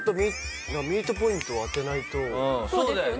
そうだよね。